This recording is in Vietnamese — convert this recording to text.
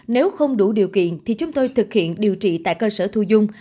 nếu không đủ điều kiện thì chúng tôi thực hiện điều trị tại cơ sở thu dung